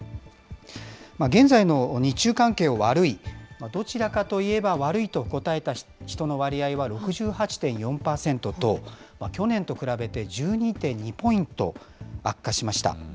現在の日中関係を、悪い、どちらかといえば悪いと答えた人の割合は６８．４％と、去年と比べて１２．２ポイント悪化しました。